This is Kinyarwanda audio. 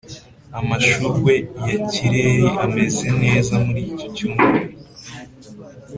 amashurwe ya kireri ameze neza muri iki cyumweru.